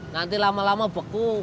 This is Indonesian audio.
nanti lama lama beku